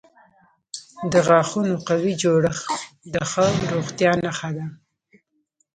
د غاښونو قوي جوړښت د ښه روغتیا نښه ده.